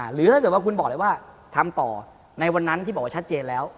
หรือถ้าเกิดว่าคุณบอกเลยว่าทำต่อในวันนั้นที่บอกว่าชัดเจนแล้ว